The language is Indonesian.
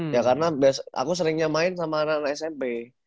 ya karena aku seringnya main sama anak anak smp